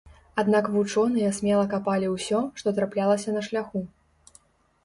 Аднак вучоныя смела капалі ўсё, што траплялася на шляху.